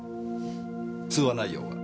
通話内容は？